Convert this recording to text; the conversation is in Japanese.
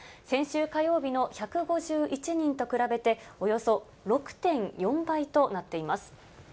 先週火曜日の１５１人と比べて、およそ６．４倍となっています。